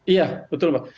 iya betul mbak